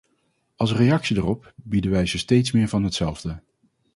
Als reactie daarop bieden wij ze steeds meer van hetzelfde.